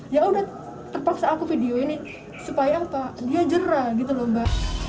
ya udah terpaksa aku video ini supaya apa dia jerah gitu loh mbak